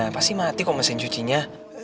pasti mati kok mesin cucinya